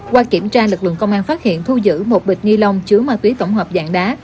qua kiểm tra lực lượng công an phát hiện thu giữ một bịch ni lông chứa ma túy tổng hợp dạng đá